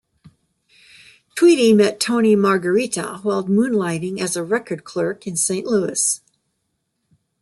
Tweedy met Tony Margherita while moonlighting as a record clerk in Saint Louis.